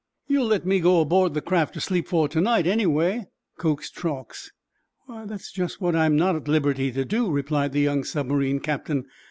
"You'll let me go aboard the craft to sleep for to night, anyway?" coaxed Truax. "Why, that's just what I'm not at liberty to do," replied the young submarine captain.